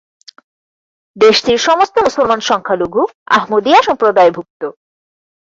দেশটির সমস্ত মুসলমান সংখ্যালঘু আহমদিয়া সম্প্রদায়ভুক্ত।